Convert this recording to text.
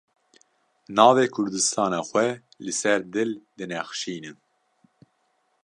Navê kurdistana xwe li ser dil dinexşînin.